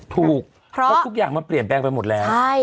ถูกเพราะทุกอย่างมันเปลี่ยนแปลงไปหมดแล้ว